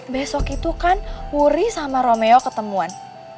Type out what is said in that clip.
besok itu kan wuri sama romeo ketemuan